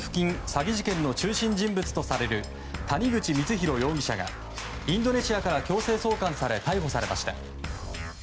詐欺事件の中心人物とされる谷口光弘容疑者がインドネシアから強制送還され逮捕されました。